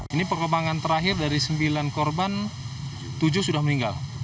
ini perkembangan terakhir dari sembilan korban tujuh sudah meninggal